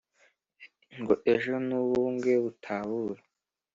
ngo ejo n'u bungwe butabura,